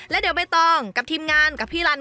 แล้วเดี๋ยวใบตองกับทีมงานกับพี่ลัน